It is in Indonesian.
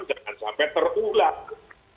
jangan sampai terulang